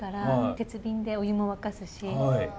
鉄瓶でお湯も沸かすし。